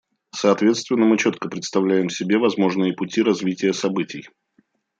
Соответственно, мы четко представляем себе возможные пути развития событий.